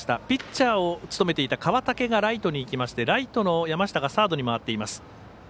ピッチャーを務めていた川竹がライトにいきましてライトの山下がサードに回っています。